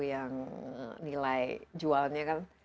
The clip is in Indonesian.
yang nilai jualnya kan